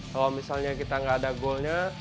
kalau misalnya kita nggak ada goalnya